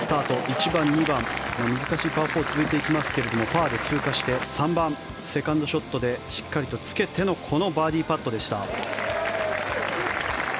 １番、２番難しいパー４が続いていきますがパーで通過して３番、セカンドショットでしっかりとつけてのこのバーディーパットでした。